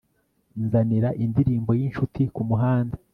nzanira indirimbo y'inshuti kumuhanda